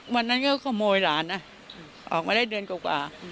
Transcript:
วันนั้นก็ขโมยหลานนะออกมาได้เดือนกว่า